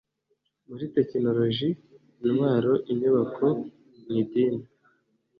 muri tekinologie (intwaro, inyubako,...) mu idini,